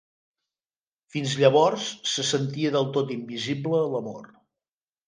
Fins llavors, se sentia del tot invisible a l'amor.